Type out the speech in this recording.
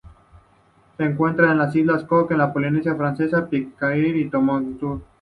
Se encuentran en las Islas Cook, la Polinesia Francesa, Pitcairn y Tuamotu.